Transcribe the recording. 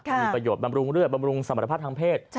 มีประโยชน์บำรุงเลือดบำรุงสมรรถภาพทางเพศ